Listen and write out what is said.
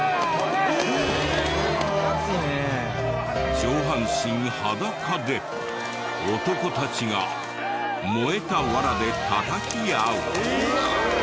上半身裸で男たちが燃えたワラでたたき合う。